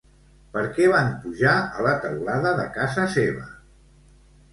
Per què van pujar a la teulada de casa seva?